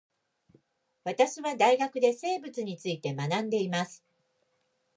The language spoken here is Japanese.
私は大学で生物について学んでいます